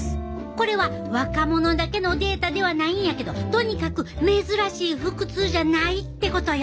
これは若者だけのデータではないんやけどとにかく珍しい腹痛じゃないってことよ。